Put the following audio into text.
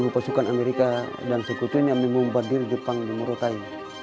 enam puluh pasukan amerika dan sekutu ini yang membombardir jepang di murutai